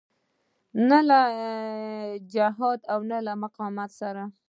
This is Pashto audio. نه له جهاد او مقاومت سره.